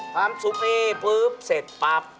พร้อมซุปนี้เสร็จปั๊บ